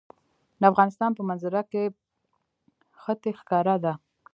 د افغانستان په منظره کې ښتې ښکاره ده.